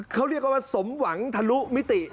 เขาเรียกว่าสมหวังทะลุมิติ